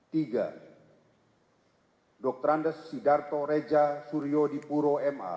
tiga dokter andes sidarto reja suryo dipuro